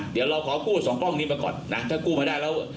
เดี๋ยวเราขอกู้สองกล้องนี้มาก่อนนะถ้ากู้มาได้แล้ว